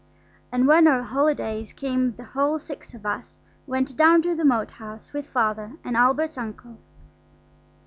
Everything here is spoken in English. And when our holidays came the whole six of us went down to the Moat House with Father and Albert's uncle.